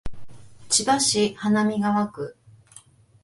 千葉市花見川区